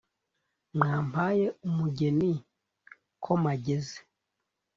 mwampaye umugeni.ko mageze